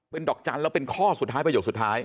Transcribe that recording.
ดอกจันทร์แล้วเป็นข้อสุดท้ายประโยคสุดท้าย